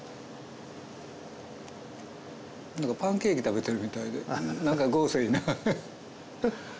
パンケーキ食べてるみたいでなんか豪勢な。